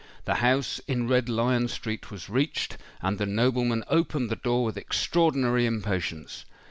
The house in Red Lion Street was reached; and the nobleman opened the door with extraordinary impatience.